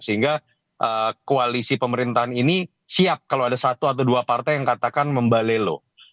sehingga koalisi pemerintahan ini siap kalau ada satu atau dua partai yang katakan membalelo